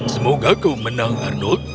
semoga kau menang arnold